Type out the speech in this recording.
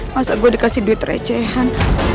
masa gue dikasih duit recehan